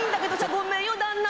ごめんよ旦那。